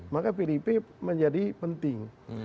maka pdip menjadi penting